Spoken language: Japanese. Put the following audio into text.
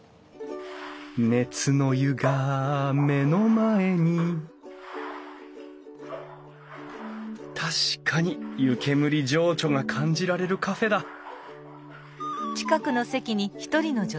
熱の湯が目の前に確かに湯けむり情緒が感じられるカフェだはっ！